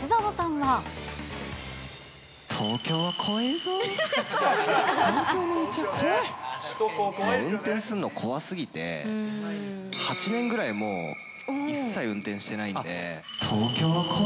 もう運転するの怖すぎて、８年ぐらいもう、一切運転してないんで。